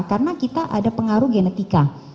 karena kita ada pengaruh genetika